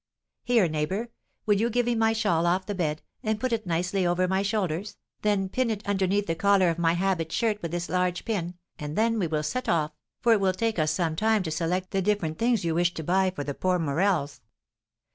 Here, neighbour, will you give me my shawl off the bed, and put it nicely over my shoulders, then pin it underneath the collar of my habit shirt with this large pin, and then we will set off, for it will take us some time to select the different things you wish to buy for the poor Morels."